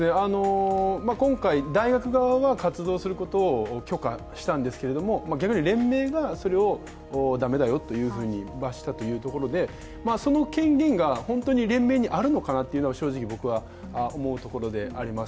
今回、大学側は活動することを許可したんですが、連盟がそれを駄目だよとしたということでその権限が本当に連盟にあるのかなと正直思うところであります。